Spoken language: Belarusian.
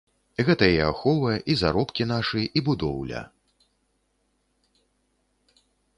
Гэта і ахова, і заробкі нашы, і будоўля.